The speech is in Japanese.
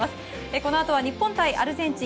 このあとは日本対アルゼンチン。